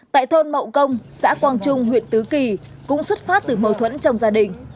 tại thôn mậu công xã quang trung huyện tứ kỳ cũng xuất phát từ mâu thuẫn trong gia đình